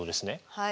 はい。